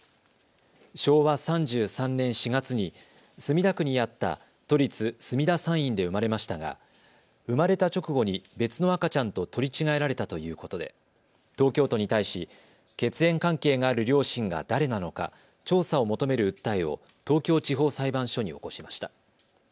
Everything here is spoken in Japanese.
昭和３３年４月に墨田区にあった都立墨田産院で生まれましたが生まれた直後に別の赤ちゃんと取り違えられたということで東京都に対し血縁関係がある両親が誰なのか調査を求める訴えを東京地方裁判所に起こしました。